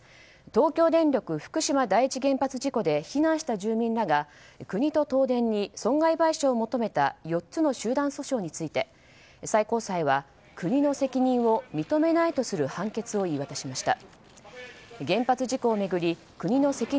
東京電力福島第一原発事故で避難した住民らが国と東電に損害賠償を求めた４つの集団訴訟について最高裁は国の責任を認めないとする判決を言い渡しました。